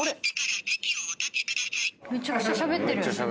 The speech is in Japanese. めちゃくちゃしゃべる。